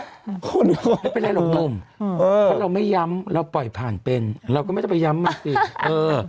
ไม่เป็นไรหล่อมถ้าเราไม่ย้ำเราปล่อยผ่านเป็นเราก็ไม่ต้องไปย้ำมาติด